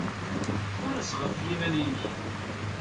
Faṛes ɣef yiman-ik!